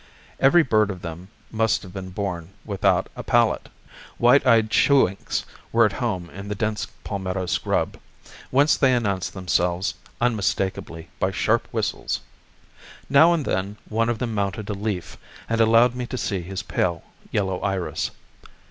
Everv bird of them must have been born without a palate, it seemed to me. White eyed chewinks were at home in the dense palmetto scrub, whence they announced themselves unmistakably by sharp whistles. Now and then one of them mounted a leaf, and allowed me to see his pale yellow iris.